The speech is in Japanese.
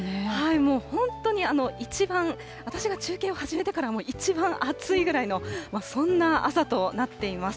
もう本当に一番、私が中継を始めてから、一番暑いぐらいの、そんな朝となっています。